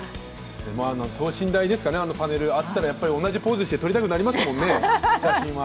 等身大ですかね、あのパネルあったら同じポーズとって撮りたくなりますもんね、写真を。